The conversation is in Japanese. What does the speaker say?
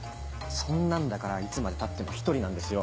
そんなんだからいつまでたっても独りなんですよ。